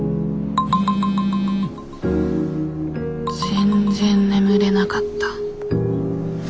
全然眠れなかった。